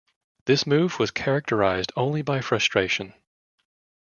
This move was characterised only by frustration.